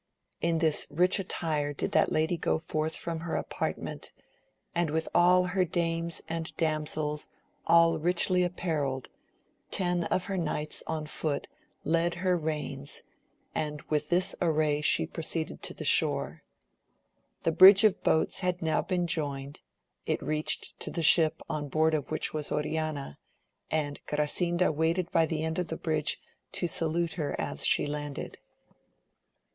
In this rich attire did that lady go forth from her apartment, and with her all her dames and damsels all richly apparelled, ten of her knights on foot led her reins, and with this array she proceeded to the shore. The bridge of boats had now been joined, it reached to the ship on board of which was Oriana, and Grasinda waited by the end of the bridge to salute her as she landed.